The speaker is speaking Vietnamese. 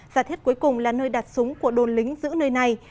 giả thiết cuối cùng là nơi đặt súng của đồn lính giữ nơi này